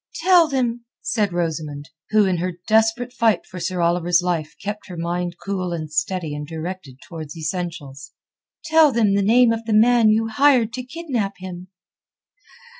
"Tell them," said Rosamund, who in her desperate fight for Sir Oliver's life kept her mind cool and steady and directed towards essentials, "tell them the name of the man you hired to kidnap him."